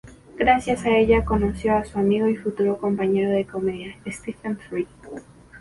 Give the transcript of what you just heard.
Gracias a ella, conoció a su amigo y futuro compañero de comedia Stephen Fry.